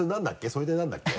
それでなんだっけ？